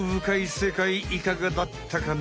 世界いかがだったかな？